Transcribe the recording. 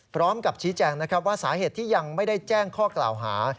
พร้อมกับชี้แจงนะครับว่าสาเหตุที่ยังไม่ได้แจ้งข้อกล่าวหา